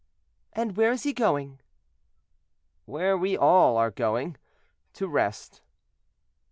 "And where is he going?" "Where we are all going—to rest.".